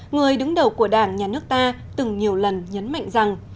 người đứng đầu của đảng nhà nước ta từng nhiều lần nhấn mạnh rằng